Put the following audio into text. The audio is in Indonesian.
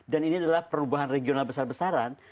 dan ini adalah perubahan regional besar besaran